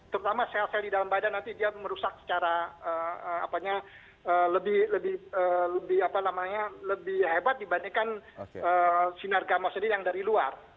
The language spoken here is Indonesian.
terutama sel sel di dalam badan nanti dia merusak secara lebih hebat dibandingkan sinar gama sendiri yang dari luar